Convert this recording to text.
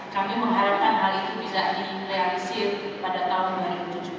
kami mengharapkan hal itu bisa direalisir pada tahun dua ribu tujuh belas